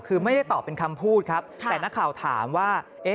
คือไม่ได้ตอบเป็นคำพูดครับแต่นักข่าวถามว่า